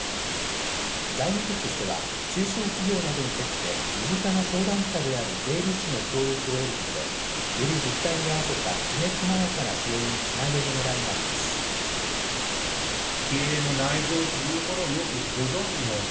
財務局としては中小企業などにとって身近な相談者である税理士の協力を得ることでより実態に合わせたきめ細やかな支援につなげる狙いがあります。